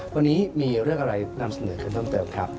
วันนี้มีเรื่องอะไรนำเสนอขึ้นเพิ่มเติมครับ